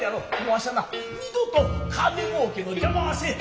わしゃな二度と金もうけの邪魔はせん。